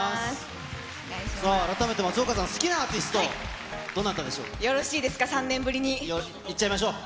改めて松岡さん、好きなアーティスト、どなたでしょう。